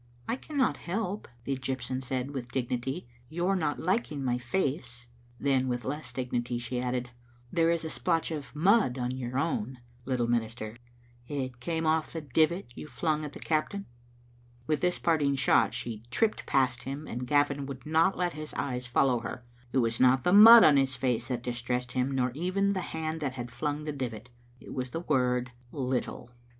"I cannot help," the Egyptian said, with dignity, "your not liking my face." Then, with less dignity, she added, " There is a splotch of mud on your own, lit tle minister; it came off the divit you flung at the captain." With this parting shot she tripped past him, and Gavin would not let his eyes follow her. It was not the mud on his face that distressed him, nor even the hand that had flung the divit. It was the word " little.